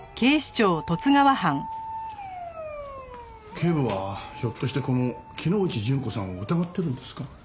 警部はひょっとしてこの木之内順子さんを疑ってるんですか？